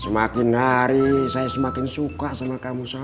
semakin hari saya semakin suka sama kamu saya